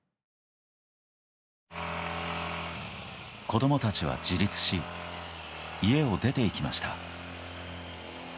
子供たちは、自立し家を出ていきました。